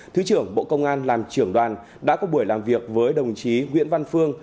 thứ trưởng bộ công an làm trưởng đoàn đã có buổi làm việc với đồng chí nguyễn văn phương